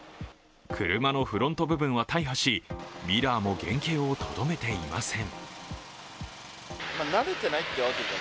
車のフロント部分は大破し、ミラーも原形をとどめていません。